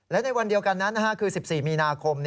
และในวันเดียวกันนั้นคือ๑๔มีนาคม